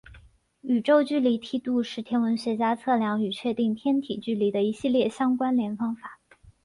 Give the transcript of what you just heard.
宇宙距离梯度是天文学家测量与确定天体距离的一系列相关联方法。